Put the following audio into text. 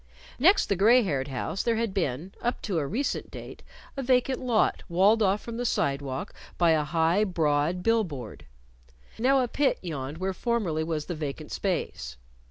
Next the gray haired house there had been up to a recent date a vacant lot walled off from the sidewalk by a high, broad bill board. Now a pit yawned where formerly was the vacant space.